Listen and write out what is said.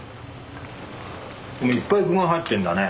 これいっぱい具が入ってんだね。